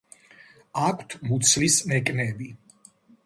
აქვთ მუცლის ნეკნები.